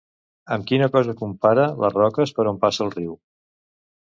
Amb quina cosa compara les roques per on passa el riu?